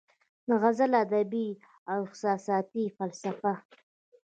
د غزل ادبي او احساساتي فلسفه